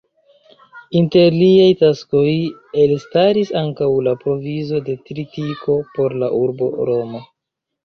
Inter liaj taskoj elstaris ankaŭ la provizo de tritiko por la urbo Romo.